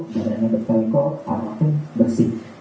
darahnya dari dokter eko arwahnya bersih